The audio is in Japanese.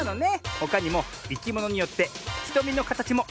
ほかにもいきものによってひとみのかたちもいろいろなんだね。